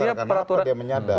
lantas berdasarkan apa dia menyadap